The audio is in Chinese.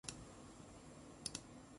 互联网必定会丰富人类生活